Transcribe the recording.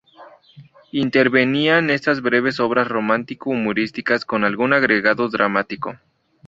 Intervenía en esas breves obras romántico-humorísticas con algún agregado dramático.